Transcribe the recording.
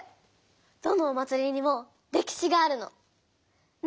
どのお祭りにもれきしがあるの！ね。